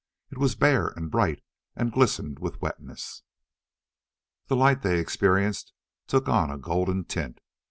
It was bare and bright and glistened with wetness. The light they experienced took on a golden tint.